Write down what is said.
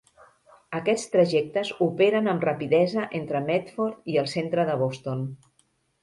Aquests trajectes operen amb rapidesa entre Medford i el centre de Boston.